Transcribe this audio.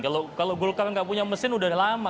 kalau golkar nggak punya mesin udah lama